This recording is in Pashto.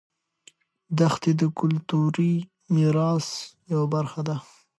دښتې د کلتوري میراث یوه برخه ده.